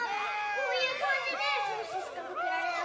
こういうかんじでソースしかかけられなくて。